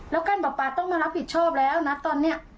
แล้วกันป๊าต้องมารับผิดชอบแล้วนะตอนเนี่ย